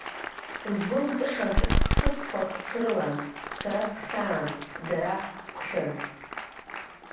Узлымҵышаз хҭысқәак срылан, сара схьаан, дара хәшәын.